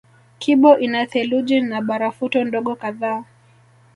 Kibo ina theluji na barafuto ndogo kadhaa